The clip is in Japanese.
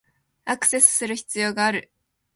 アクセスする必要がある